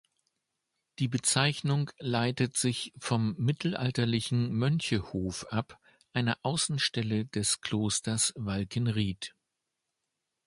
Die Bezeichnung leitet sich vom mittelalterlichen Mönche-Hof ab, einer Außenstelle des Klosters Walkenried.